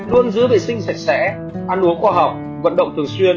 luôn giữ vệ sinh sạch sẽ ăn uống khoa học vận động thường xuyên